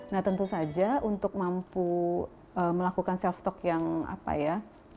nah tentu saja untuk mampu melakukan self talk yang apa ya